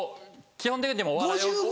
基本的にはでもお笑いを。